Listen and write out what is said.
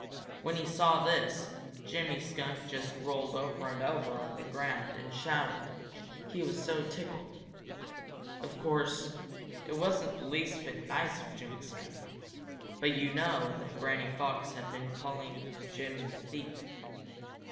When he saw this, Jimmy Skunk just rolled over and over on the ground and shouted, he was so tickled. Of course, it wasn't the least bit nice of Jimmy Skunk, but you know that Granny Fox had been calling Jimmy a thief.